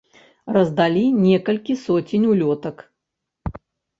Раздалі некалькі соцень улётак.